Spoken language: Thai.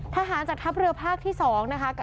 ทหารจากทัพเรือภาคที่๒นะคะ